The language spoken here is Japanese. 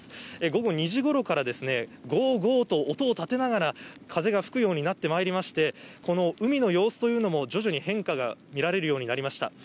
午後２時ごろからですね、ごーごーと音を立てながら、風が吹くようになってまいりまして、この海の様子というのも、徐々に変化が見られるようになりました。